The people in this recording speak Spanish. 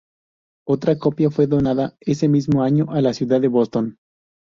Otra copia fue donada ese mismo año a la ciudad de Boston.